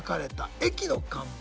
駅の看板。